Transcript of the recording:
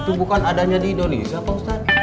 itu bukan adanya di indonesia pak ustadz